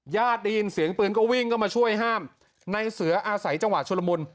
ได้ยินเสียงปืนก็วิ่งเข้ามาช่วยห้ามในเสืออาศัยจังหวะชุลมุน